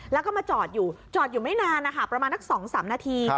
แล้วก็มาจอดอยู่จอดอยู่ไม่นานนะคะประมาณนัก๒๓นาที